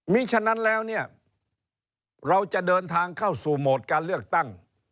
มีฉะนั้นแล้วเนี่ยเราจะเดินทางเข้าสู่โหมดการเลือกตั้ง